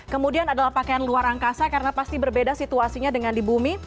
kemudian adalah pakaian luar angkasa karena pasti berbeda situasinya dengan di bumi